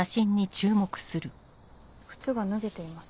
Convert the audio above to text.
靴が脱げています。